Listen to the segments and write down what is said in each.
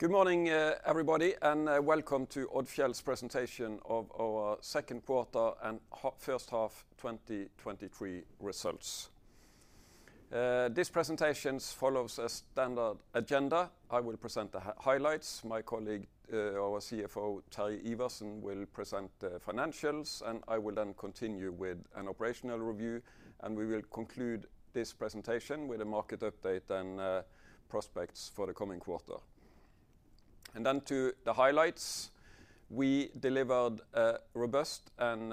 Good morning, everybody, welcome to Odfjell's presentation of our second quarter and first half 2023 results. This presentation follows a standard agenda. I will present the highlights. My colleague, our CFO, Terje Iversen, will present the financials, and I will then continue with an operational review, and we will conclude this presentation with a market update and prospects for the coming quarter. Then to the highlights. We delivered a robust and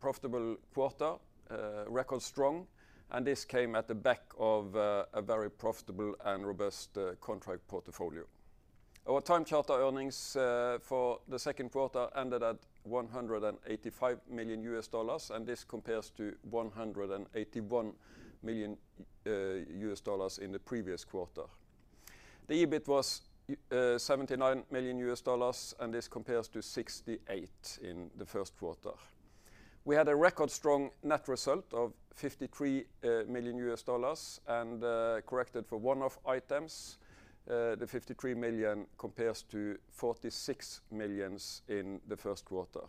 profitable quarter, record strong, and this came at the back of a very profitable and robust contract portfolio. Our time charter earnings for the second quarter ended at $185 million, and this compares to $181 million in the previous quarter. The EBIT was $79 million, and this compares to $68 million in the first quarter. We had a record strong net result of $53 million and, corrected for one-off items, the $53 million compares to $46 million in the first quarter.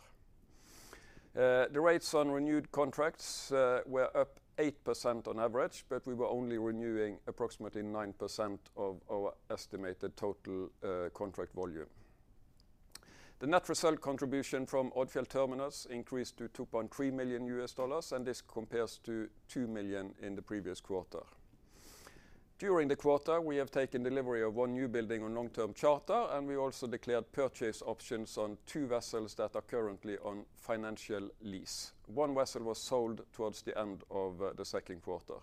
The rates on renewed contracts were up 8% on average, but we were only renewing approximately 9% of our estimated total contract volume. The net result contribution from Odfjell Terminals increased to $2.3 million, and this compares to $2 million in the previous quarter. During the quarter, we have taken delivery of one newbuilding on long-term charter, and we also declared purchase options on two vessels that are currently on financial lease. One vessel was sold towards the end of the second quarter.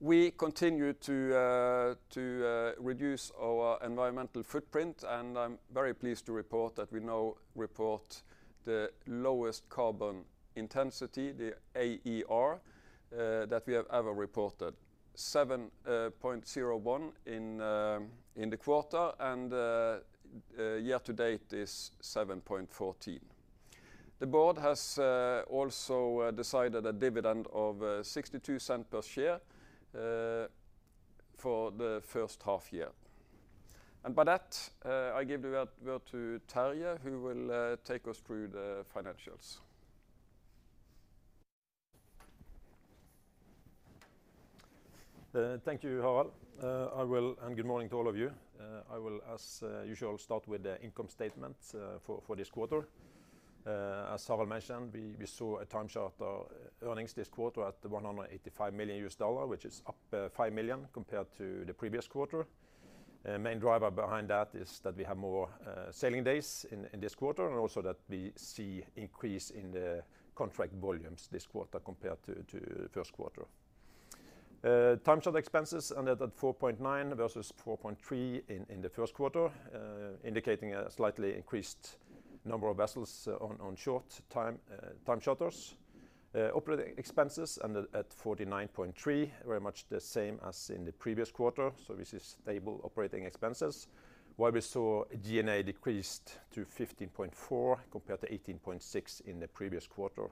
We continued to reduce our environmental footprint, and I'm very pleased to report that we now report the lowest carbon intensity, the AER, that we have ever reported. 7.01 in the quarter, and year to date is 7.14. The board has also decided a dividend of $0.62 per share for the first half year. By that, I give the word to Terje, who will take us through the financials. Thank you, Harald. Good morning to all of you. I will, as usual, start with the income statement for this quarter. As Harald mentioned, we saw time charter earnings this quarter at $185 million, which is up $5 million compared to the previous quarter. Main driver behind that is that we have more sailing days in this quarter and also that we see increase in the contract volumes this quarter compared to first quarter. Time charter expenses ended at $4.9 versus $4.3 in the first quarter, indicating a slightly increased number of vessels on short time time charters. Operating expenses ended at $49.3, very much the same as in the previous quarter, so this is stable operating expenses. While we saw G&A decreased to $15.4 compared to $18.6 in the previous quarter.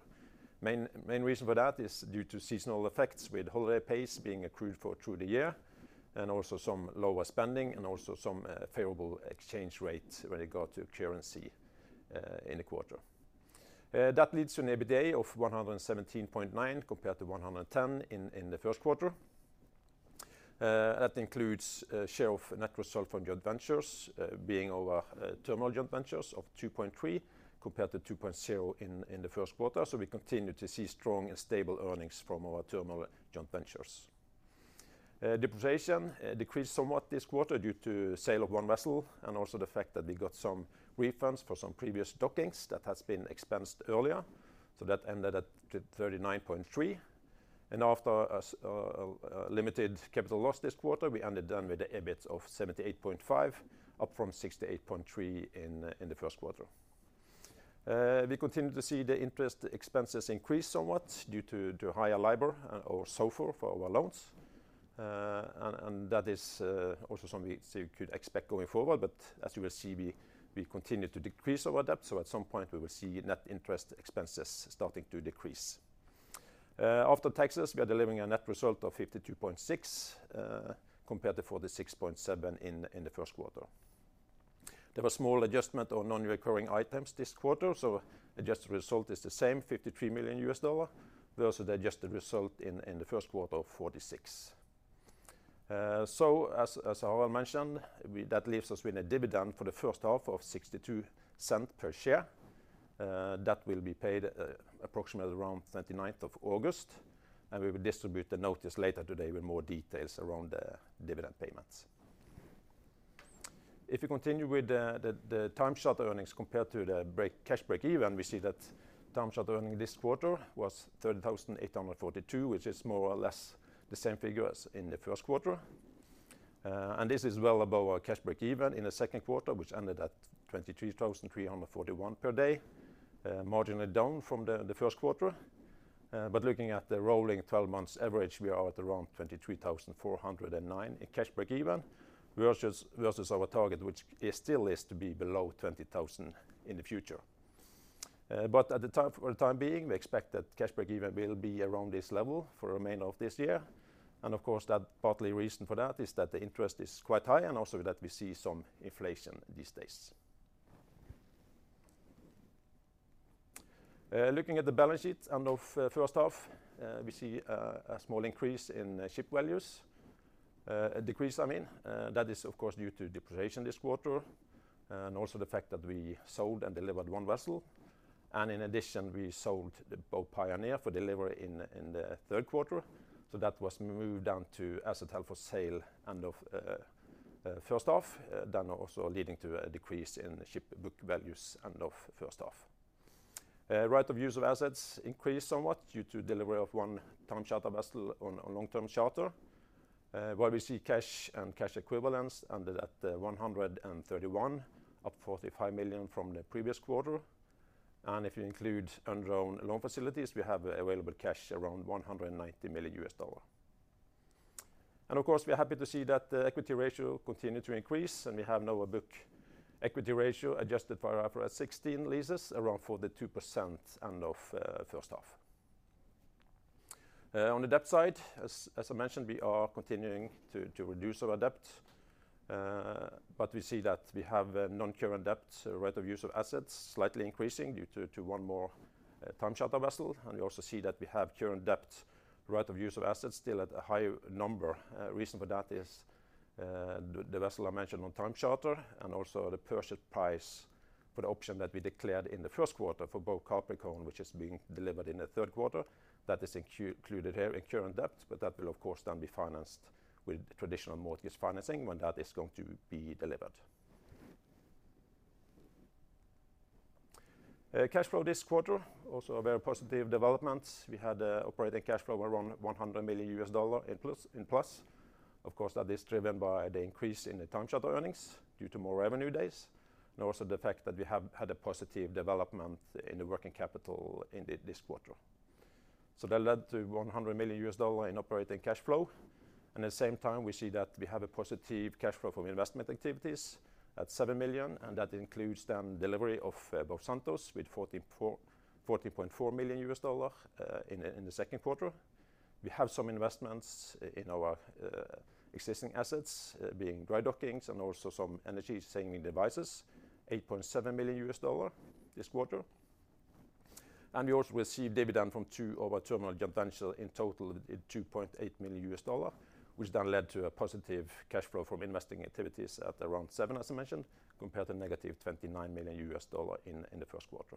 Main reason for that is due to seasonal effects, with holiday pays being accrued for through the year, and also some lower spending and also some favorable exchange rates when it got to currency in the quarter. That leads to an EBITDA of $117.9 compared to $110 in the first quarter. That includes a share of net result from joint ventures, being our terminal joint ventures of $2.3 compared to $2.0 in the first quarter. We continue to see strong and stable earnings from our terminal joint ventures. Depreciation decreased somewhat this quarter due to sale of one vessel and also the fact that we got some refunds for some previous dockings that has been expensed earlier, so that ended at $39.3 million. After a limited capital loss this quarter, we ended down with the EBIT of $78.5 million, up from $68.3 million in the first quarter. We continue to see the interest expenses increase somewhat due to, to higher LIBOR or SOFR for our loans. That is also something we could expect going forward, but as you will see, we continue to decrease our debt, so at some point, we will see net interest expenses starting to decrease. After taxes, we are delivering a net result of $52.6 compared to $46.7 in the first quarter. There was small adjustment on non-recurring items this quarter, so adjusted result is the same, $53 million. Versus the adjusted result in the first quarter of $46. So as Harald mentioned, that leaves us with a dividend for the first half of $0.62 per share. That will be paid approximately around 29th of August, and we will distribute the notice later today with more details around the dividend payments. If you continue with the time charter earnings compared to the cash break even, we see that time charter earnings this quarter was $30,842, which is more or less the same figure as in the first quarter. This is well above our cash break-even in the second quarter, which ended at $23,341 per day, marginally down from the first quarter. Looking at the rolling 12 months average, we are at around $23,409 in cash break-even, versus our target, which is still is to be below $20,000 in the future. At the time, for the time being, we expect that cash break-even will be around this level for the remainder of this year. Of course, that partly reason for that is that the interest is quite high, and also that we see some inflation these days. Looking at the balance sheet, end of first half, we see a small increase in ship values. A decrease, I mean. That is of course due to depreciation this quarter, and also the fact that we sold and delivered one vessel. In addition, we sold the Bow Pioneer for delivery in, in the third quarter, so that was moved down to asset held for sale end of first half, then also leading to a decrease in ship book values end of first half. Right of Use of assets increased somewhat due to delivery of one time charter vessel on a long-term charter. Where we see cash and cash equivalents ended at 131, up $45 million from the previous quarter. If you include undrawn loan facilities, we have available cash around $190 million US dollar. Of course, we are happy to see that the equity ratio continued to increase, and we have now a book equity ratio adjusted for IFRS 16 leases around 42% end of first half. On the debt side, as, as I mentioned, we are continuing to, to reduce our debt. But we see that we have a non-current debt Right of Use of assets slightly increasing due to, to one more time charter vessel. We also see that we have current debt Right of Use of assets still at a high number. Reason for that is, the, the vessel I mentioned on time charter and also the purchase price for the option that we declared in the 1st quarter for Bow Capricorn, which is being delivered in the 3rd quarter. That is included here in current debt, but that will of course then be financed with traditional mortgage financing when that is going to be delivered. Cash flow this quarter, also a very positive development. We had operating cash flow around $100 million in plus, in plus. Of course, that is driven by the increase in the time charter earnings due to more revenue days, and also the fact that we have had a positive development in the working capital in this quarter. That led to $100 million in operating cash flow. At the same time, we see that we have a positive cash flow from investment activities at $7 million, and that includes then delivery of Bow Santos with $14.4 million in the second quarter. We have some investments in our existing assets, being dry dockings and also some energy-saving devices, $8.7 million this quarter. We also received dividend from two of our terminal joint venture, in total, $2.8 million, which then led to a positive cash flow from investing activities at around $7 million, as I mentioned, compared to negative $29 million in the first quarter.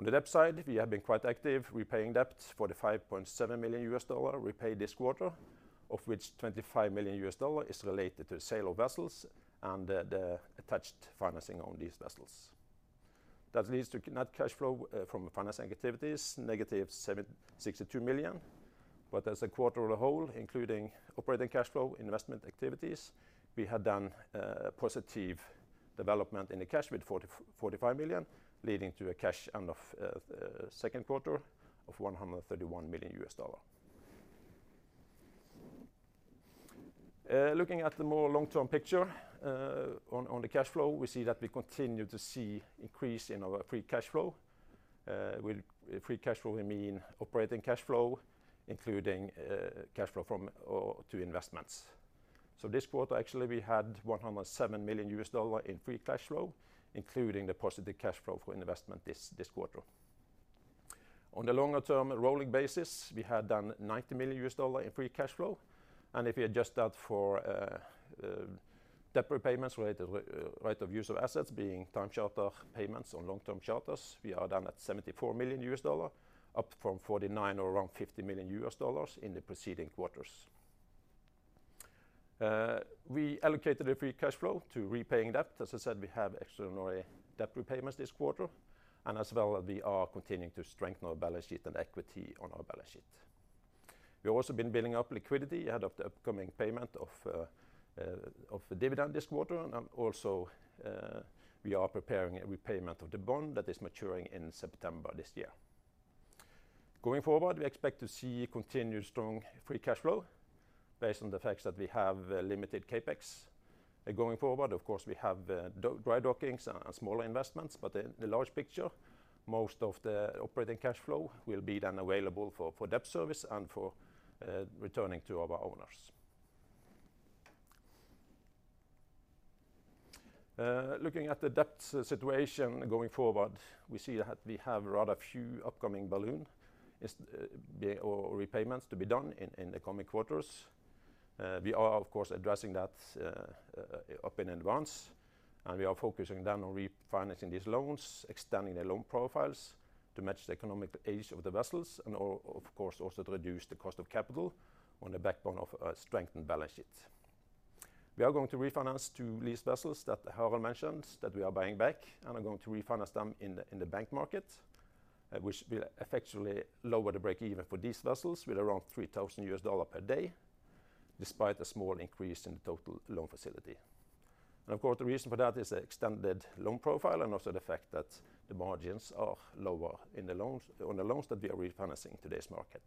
On the debt side, we have been quite active, repaying debt $45.7 million repaid this quarter, of which $25 million is related to the sale of vessels and the attached financing on these vessels. That leads to net cash flow from financing activities, negative $62 million. As a quarter of the whole, including operating cash flow, investment activities, we had done a positive development in the cash with $45 million, leading to a cash end of second quarter of $131 million. Looking at the more long-term picture on, on the cash flow, we see that we continue to see increase in our free cash flow. With free cash flow, we mean operating cash flow, including cash flow from, or to investments. This quarter, actually, we had $107 million in free cash flow, including the positive cash flow for investment this, this quarter. On the longer term, rolling basis, we had done $90 million in free cash flow. If you adjust that for debt repayments related with Right of Use of assets being time charter payments on long-term charters, we are down at $74 million, up from $49 or around $50 million in the preceding quarters. We allocated the free cash flow to repaying debt. As I said, we have extraordinary debt repayments this quarter, and as well, we are continuing to strengthen our balance sheet and equity on our balance sheet. We've also been building up liquidity ahead of the upcoming payment of the dividend this quarter, and also, we are preparing a repayment of the bond that is maturing in September this year. Going forward, we expect to see continued strong free cash flow based on the fact that we have limited CapEx. Going forward, of course, we have dry dockings and, and smaller investments. In the large picture, most of the operating cash flow will be then available for, for debt service and for returning to our owners. Looking at the debt situation going forward, we see that we have rather few upcoming balloon or repayments to be done in, in the coming quarters. We are, of course, addressing that up in advance. We are focusing then on refinancing these loans, extending the loan profiles to match the economic age of the vessels, and of course, also to reduce the cost of capital on the backbone of a strengthened balance sheet. We are going to refinance two lease vessels that Harald mentioned that we are buying back and are going to refinance them in the bank market, which will effectually lower the break-even for these vessels with around $3,000 per day, despite a small increase in the total loan facility. Of course, the reason for that is the extended loan profile and also the fact that the margins are lower on the loans that we are refinancing today's market.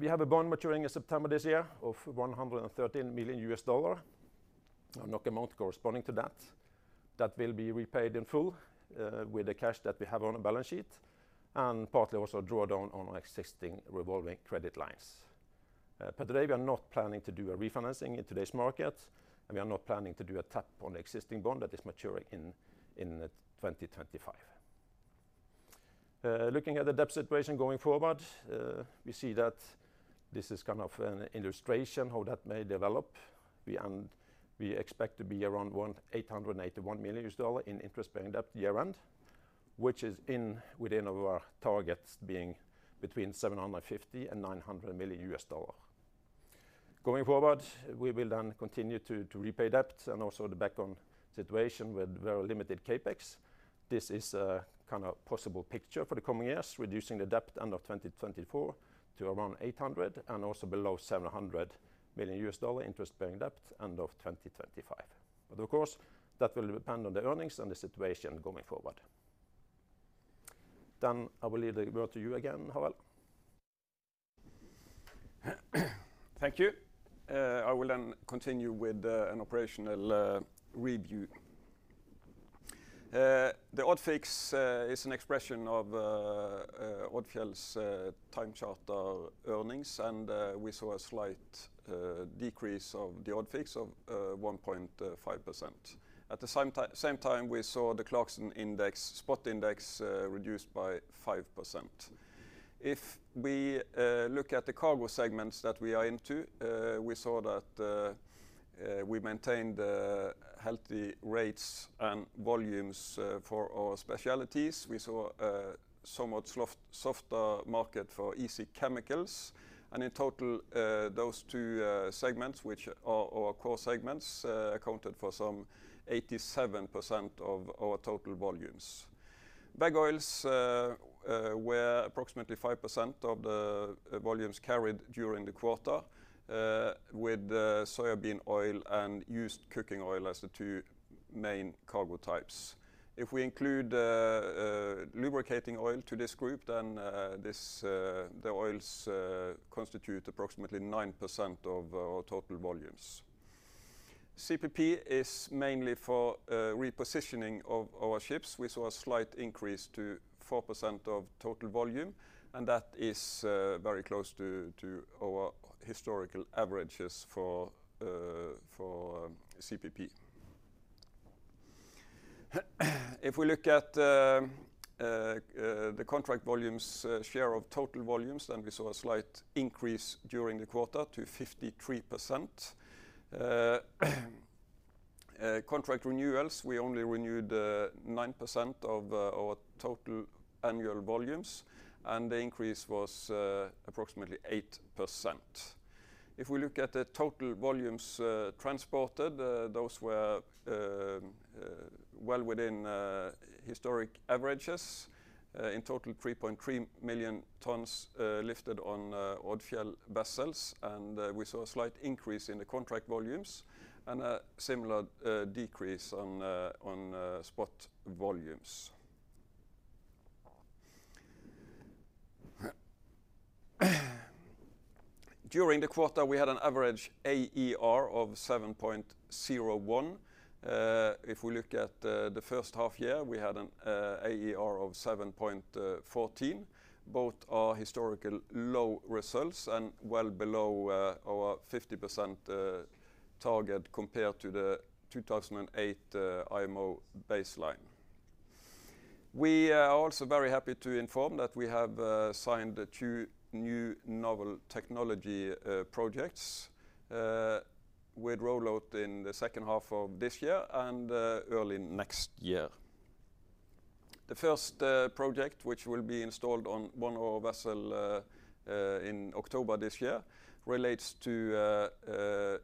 We have a bond maturing in September this year of $113 million, a NOK amount corresponding to that. That will be repaid in full with the cash that we have on the balance sheet and partly also draw down on our existing revolving credit lines. Today, we are not planning to do a refinancing in today's market, and we are not planning to do a tap on the existing bond that is maturing in 2025. Looking at the debt situation going forward, we see that this is kind of an illustration how that may develop. We expect to be around $881 million in interest-paying debt year-end, which is in within our targets, being between $750 million and $900 million. Going forward, we will continue to repay debt and also the back on situation with very limited CapEx. This is a kind of possible picture for the coming years, reducing the debt end of 2024 to around $800 million and also below $700 million interest-paying debt end of 2025. Of course, that will depend on the earnings and the situation going forward. I will leave the word to you again, Harald. Thank you. I will then continue with an operational review. The Odfjell Index is an expression of Odfjell's time charter earnings, and we saw a slight decrease of the Odfjell Index of 1.5%. At the same time, we saw the ClarkSea Index, Spot Index, reduced by 5%. If we look at the cargo segments that we are into, we saw that we maintained healthy rates and volumes for our specialties. We saw a somewhat soft, softer market for easy chemicals, and in total, those two segments, which are our core segments, accounted for some 87% of our total volumes. Veg oils were approximately 5% of the volumes carried during the quarter, with soybean oil and used cooking oil as the two main cargo types. If we include lubricating oil to this group, then this the oils constitute approximately 9% of our total volumes. CPP is mainly for repositioning of our ships. We saw a slight increase to 4% of total volume, and that is very close to, to our historical averages for CPP. If we look at the contract volumes share of total volumes, then we saw a slight increase during the quarter to 53%. Contract renewals, we only renewed 9% of our total annual volumes, and the increase was approximately 8%. If we look at the total volumes, transported, those were well within historic averages. In total, 3.3 million tons lifted on Odfjell vessels, and we saw a slight increase in the contract volumes and a similar decrease on spot volumes. During the quarter, we had an average AER of 7.01. If we look at the first half year, we had an AER of 7.14. Both are historical low results and well below our 50% target compared to the 2008 IMO baseline. We are also very happy to inform that we have signed the two new novel technology projects with rollout in the second half of this year and early next year. The first project, which will be installed on one of our vessel in October this year, relates to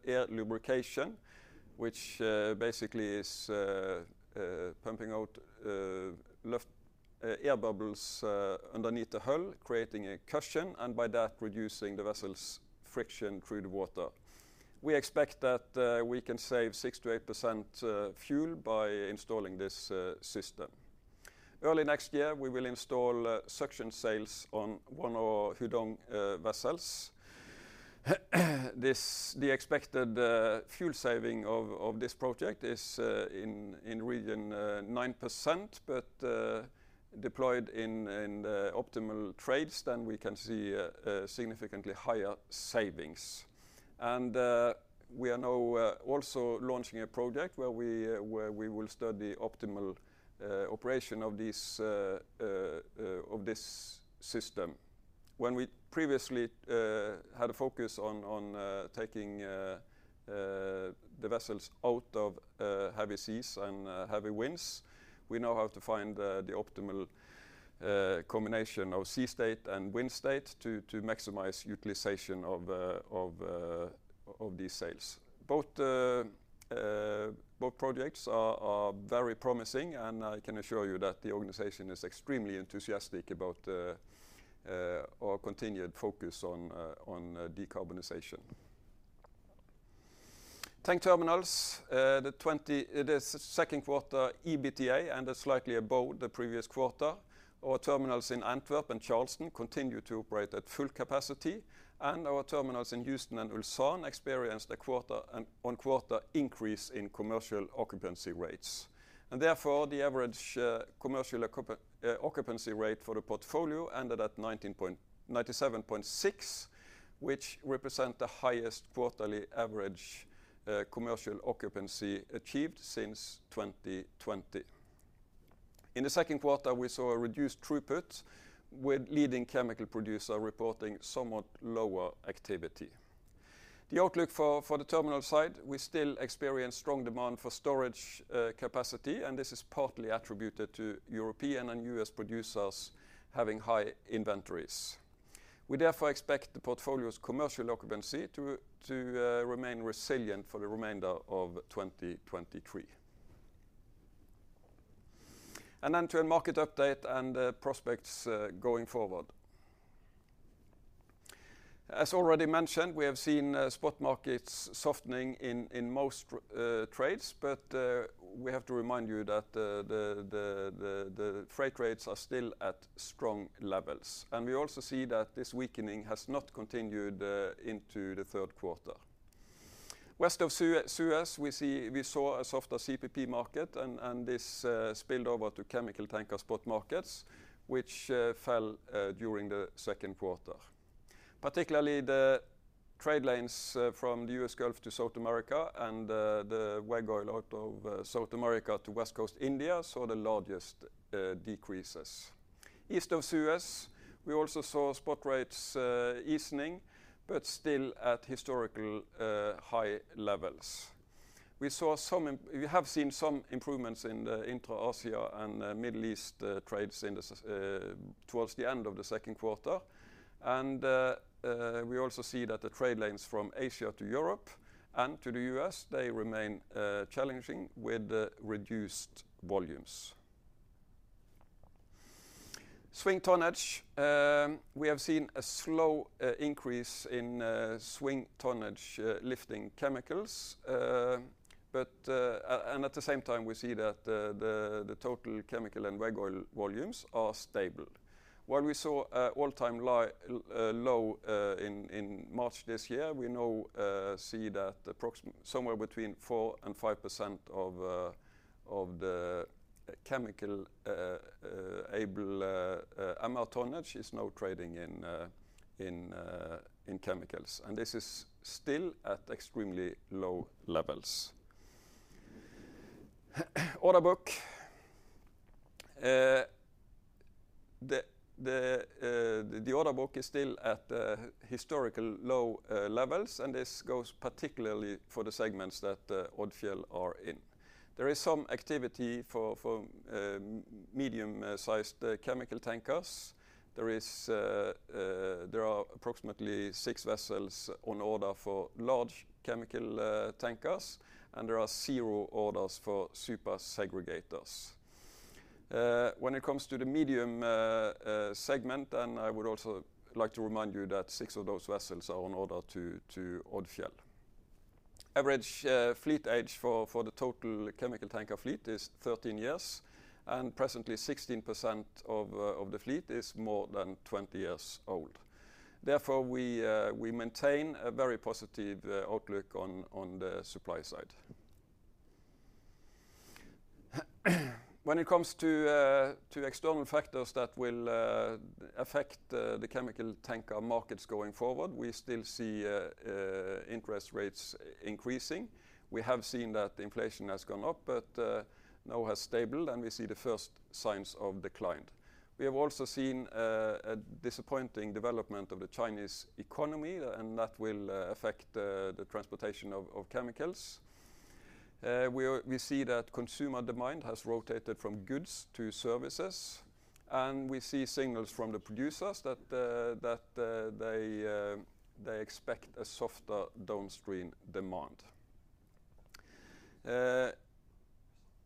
air lubrication, which basically is pumping out air bubbles underneath the hull, creating a cushion, and by that, reducing the vessel's friction through the water. We expect that we can save 6%-8% fuel by installing this system. Early next year, we will install suction sails on one of Hudong vessels. The expected fuel saving of this project is in region 9%, but deployed in the optimal trades, then we can see a significantly higher savings. We are now also launching a project where we where we will study optimal operation of these of this system. When we previously had a focus on on taking the vessels out of heavy seas and heavy winds, we now have to find the optimal combination of sea state and wind state to to maximize utilization of of these sails. Both both projects are are very promising, and I can assure you that the organization is extremely enthusiastic about the our continued focus on decarbonization. Tank terminals, the $20, it is second quarter EBITDA and is slightly above the previous quarter. Our terminals in Antwerp and Charleston continue to operate at full capacity, our terminals in Houston and Ulsan experienced a quarter-on-quarter increase in commercial occupancy rates. Therefore, the average commercial occupancy rate for the portfolio ended at 97.6, which represent the highest quarterly average commercial occupancy achieved since 2020. In the second quarter, we saw a reduced throughput with leading chemical producer reporting somewhat lower activity. The outlook for the terminal side, we still experience strong demand for storage capacity, and this is partly attributed to European and U.S. producers having high inventories. We therefore expect the portfolio's commercial occupancy to remain resilient for the remainder of 2023. Then to a market update and prospects going forward. As already mentioned, we have seen spot markets softening in, in most trades, we have to remind you that the freight rates are still at strong levels. We also see that this weakening has not continued into the third quarter. West of Suez, we saw a softer CPP market and this spilled over to chemical tanker spot markets, which fell during the second quarter. Particularly, the trade lanes from the US Gulf to South America and the veg oil out of South America to West Coast India, saw the largest decreases. East of Suez, we also saw spot rates easing, still at historical high levels. We saw some improvements in the Intra-Asia and Middle East trades towards the end of the second quarter. We also see that the trade lanes from Asia to Europe and to the US, they remain challenging with reduced volumes. Swing tonnage, we have seen a slow increase in swing tonnage lifting chemicals, and at the same time, we see that the total chemical and veg oil volumes are stable. While we saw a all-time low in March this year, we now see that somewhere between 4% and 5% of the chemical able MR tonnage is now trading in chemicals. This is still at extremely low levels. Order book. The, the, the order book is still at historical low levels, and this goes particularly for the segments that Odfjell are in. There is some activity for, for medium-sized chemical tankers. There is, there are approximately six vessels on order for large chemical tankers, and there are zero orders for super segregators. When it comes to the medium segment, and I would also like to remind you that six of those vessels are on order to Odfjell. Average fleet age for, for the total chemical tanker fleet is 13 years, and presently, 16% of the fleet is more than 20 years old. Therefore, we maintain a very positive outlook on the supply side. When it comes to to external factors that will affect the the chemical tanker markets going forward, we still see interest rates increasing. We have seen that inflation has gone up, but now has stabled, and we see the first signs of decline. We have also seen a disappointing development of the Chinese economy, and that will affect the the transportation of of chemicals. We see that consumer demand has rotated from goods to services, and we see signals from the producers that that they they expect a softer downstream demand.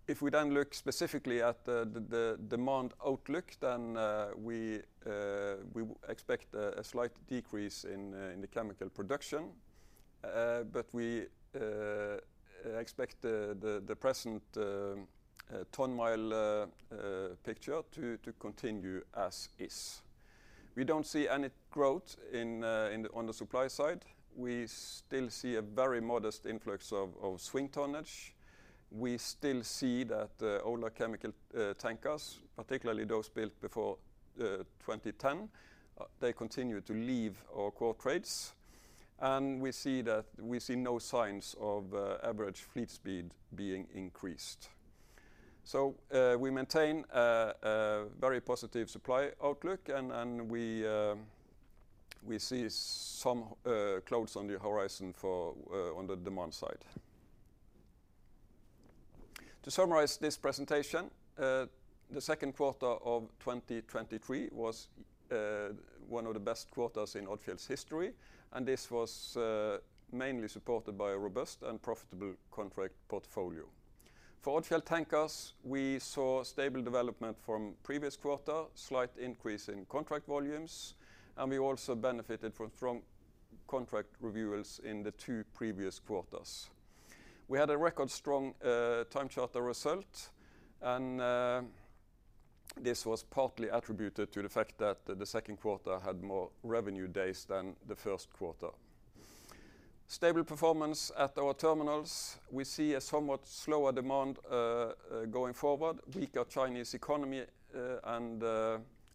If we then look specifically at the, the, the demand outlook, then, we expect a slight decrease in the chemical production, but we expect the, the, the present ton-mile picture to continue as is. We don't see any growth in on the supply side. We still see a very modest influx of swing tonnage. We still see that older chemical tankers, particularly those built before 2010, they continue to leave our core trades, and we see that we see no signs of average fleet speed being increased. We maintain a very positive supply outlook, and we see some clouds on the horizon for on the demand side. To summarize this presentation, the second quarter of 2023 was one of the best quarters in Odfjell's history, and this was mainly supported by a robust and profitable contract portfolio. For offshore tankers, we saw stable development from previous quarter, slight increase in contract volumes, and we also benefited from strong contract renewals in the two previous quarters. We had a record-strong time charter result, and this was partly attributed to the fact that the, the second quarter had more revenue days than the first quarter. Stable performance at our terminals. We see a somewhat slower demand going forward. Weaker Chinese economy, and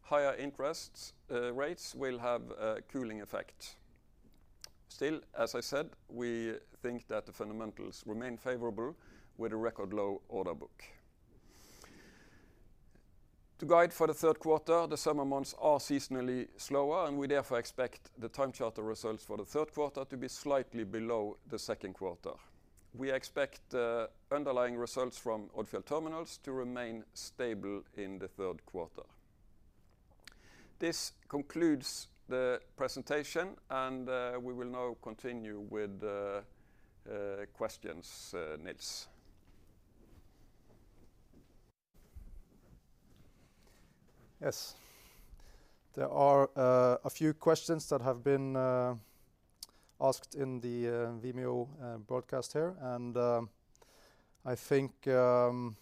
higher interests rates will have a cooling effect. Still, as I said, we think that the fundamentals remain favorable with a record-low order book. To guide for the third quarter, the summer months are seasonally slower, and we therefore expect the time charter results for the third quarter to be slightly below the second quarter. We expect underlying results from Odfjell Terminals to remain stable in the third quarter. This concludes the presentation, and we will now continue with the questions, Nils. Yes. There are a few questions that have been asked in the Vimeo broadcast here. I think we'll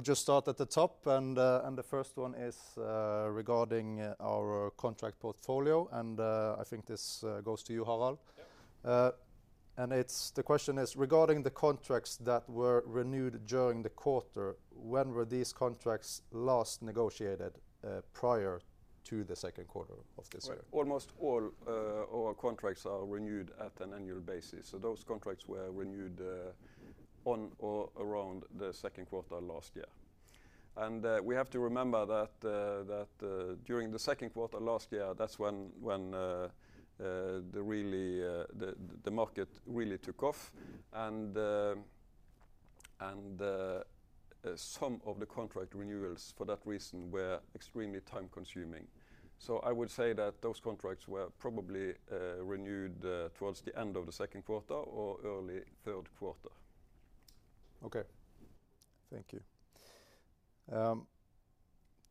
just start at the top, and the first one is regarding our contract portfolio, and I think this goes to you, Harald. Yeah. The question is: "Regarding the contracts that were renewed during the quarter, when were these contracts last negotiated, prior to the second quarter of this year? Right. Almost all our contracts are renewed at an annual basis. Those contracts were renewed on or around the second quarter last year. We have to remember that that during the second quarter last year, that's when, when the really the market really took off. And some of the contract renewals for that reason were extremely time-consuming. I would say that those contracts were probably renewed towards the end of the second quarter or early third quarter. Okay. Thank you.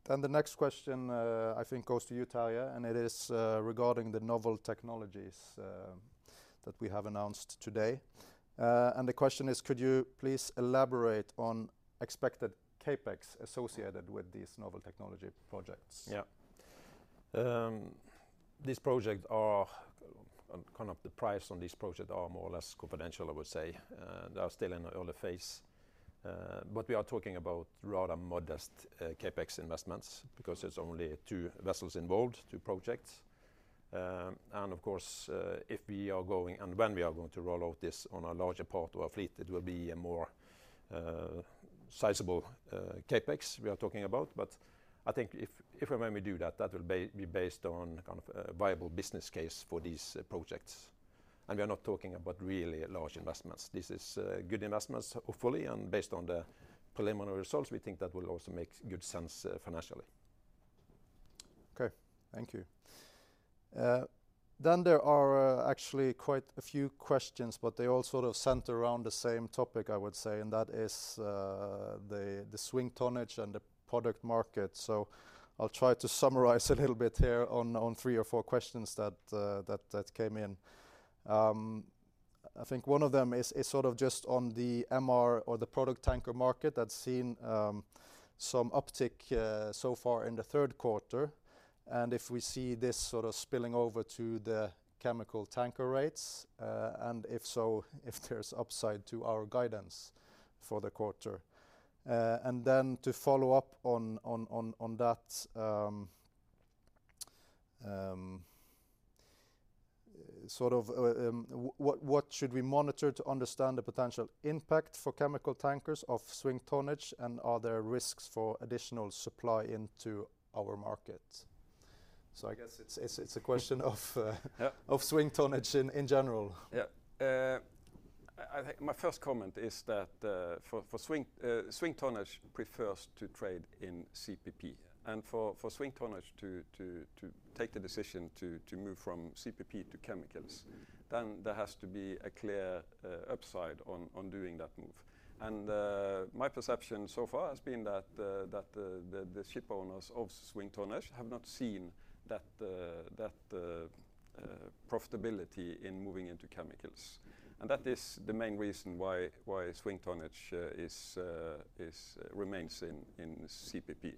The next question, I think goes to you, Terje, and it is regarding the novel technologies that we have announced today. The question is: "Could you please elaborate on expected CapEx associated with these novel technology projects? Yeah. These projects are kind of the price on these projects are more or less confidential, I would say. They are still in an early phase, but we are talking about rather modest CapEx investments, because it's only two vessels involved, two projects. Of course, if we are going, and when we are going to roll out this on a larger part of our fleet, it will be a more sizable CapEx we are talking about. I think if, if and when we do that, that will be based on kind of a viable business case for these projects. We are not talking about really large investments. This is good investments, hopefully, and based on the preliminary results, we think that will also make good sense financially. Okay, thank you. There are actually quite a few questions, but they all sort of center around the same topic, I would say. That is the swing tonnage and the product market. I'll try to summarize a little bit here on three or four questions that came in. I think one of them is sort of just on the MR or the product tanker market, that's seen some uptick so far in the third quarter. If we see this sort of spilling over to the chemical tanker rates, and if so, if there's upside to our guidance for the quarter? To follow up on, on, on, on that, what, what should we monitor to understand the potential impact for chemical tankers of swing tonnage, and are there risks for additional supply into our market? I guess it's, it's, it's a question of. Yeah... of swing tonnage in general. Yeah. I think my first comment is that, for, for swing tonnage prefers to trade in CPP. For, for swing tonnage to, to, to take the decision to, to move from CPP to chemicals, then there has to be a clear upside on, on doing that move. My perception so far has been that, that, the, the shipowners of swing tonnage have not seen that, that, profitability in moving into chemicals. That is the main reason why, why swing tonnage is, remains in, in CPP.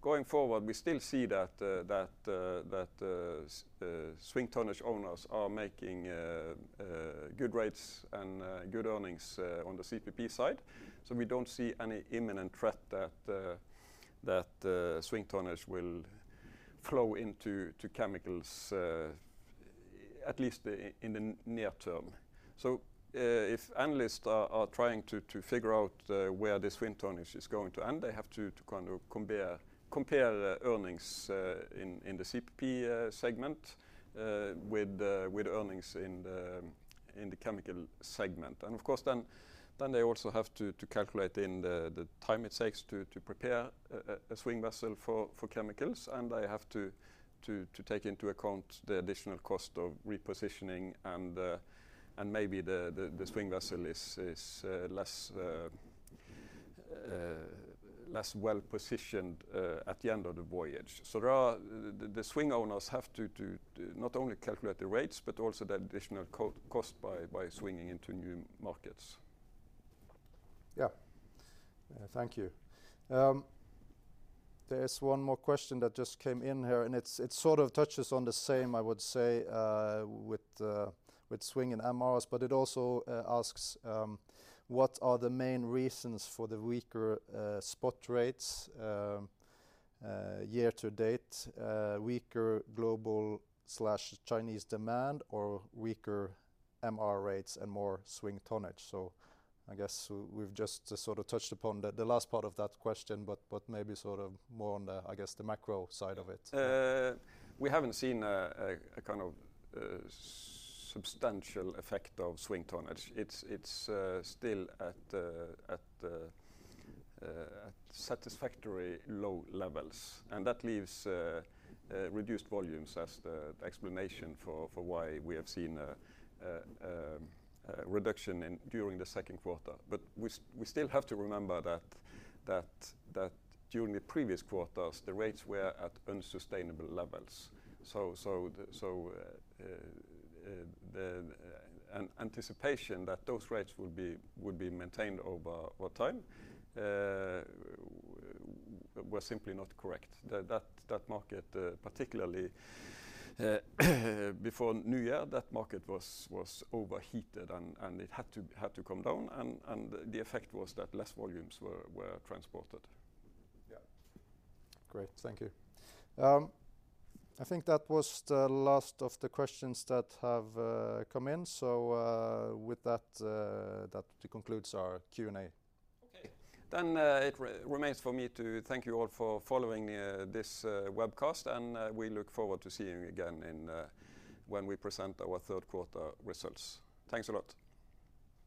Going forward, we still see that, that, that, swing tonnage owners are making good rates and good earnings on the CPP side. We don't see any imminent threat that, that swing tonnage will flow into to chemicals, at least in the near term. If analysts are, are trying to, to figure out, where the swing tonnage is going to end, they have to, to kind of compare, compare earnings, in, in the CPP segment, with, with earnings in the, in the chemical segment. Of course, then, then they also have to, to calculate in the, the time it takes to, to prepare a, a, a swing vessel for, for chemicals, and they have to, to, to take into account the additional cost of repositioning, and maybe the, the, the swing vessel is, is less well-positioned at the end of the voyage. There are, the, the swing owners have to, to, to not only calculate the rates, but also the additional cost by, by swinging into new markets. Yeah. Thank you. There is one more question that just came in here, and it's, it sort of touches on the same, I would say, with swing and MRs, but it also asks: "What are the main reasons for the weaker spot rates year to date? weaker global/Chinese demand, or weaker MR rates and more swing tonnage?" I guess we, we've just sort of touched upon the last part of that question, but maybe sort of more on the, I guess, the macro side of it. We haven't seen a kind of substantial effect of swing tonnage. It's still at satisfactory low levels, that leaves reduced volumes as the explanation for why we have seen a reduction in during the second quarter. We still have to remember that during the previous quarters, the rates were at unsustainable levels. The anticipation that those rates would be maintained over time were simply not correct. That market, particularly before New Year, that market was overheated, it had to come down, the effect was that less volumes were transported. Yeah. Great, thank you. I think that was the last of the questions that have come in. With that, that concludes our Q&A. Okay. It remains for me to thank you all for following this webcast, and we look forward to seeing you again when we present our third quarter results. Thanks a lot!